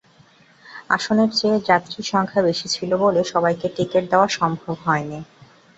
আসনের চেয়ে যাত্রীর সংখ্যা বেশি ছিল বলে সবাইকে টিকিট দেওয়া সম্ভব হয়নি।